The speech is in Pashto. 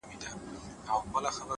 • ستا هغه رنگين تصوير ـ